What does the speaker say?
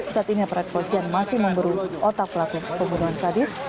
saat ini para polisi yang masih memburu otak pelaku pembunuhan sadis